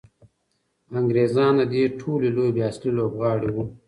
انګریزان د دې ټولې لوبې اصلي لوبغاړي وو.